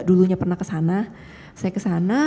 dulunya pernah kesana saya kesana